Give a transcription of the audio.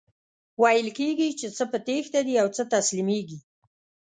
ویل کیږي چی څه په تیښته دي او څه تسلیمیږي.